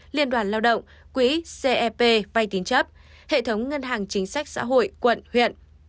liên đoàn lao động quỹ cep vay tín chấp hệ thống ngân hàng chính sách xã hội quận huyện